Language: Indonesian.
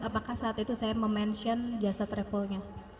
apakah saat itu saya memention jasa travelnya